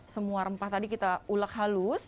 semua rempah tadi kita ulek halus